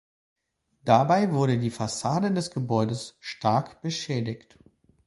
Dabei wurde die Fassade des Gebäudes stark beschädigt.